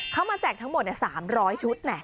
เขามาแจกทั้งหมด๓๐๐ชุด